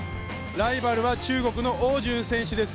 ライバルは中国の汪順選手です。